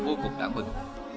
vô cùng đáng mừng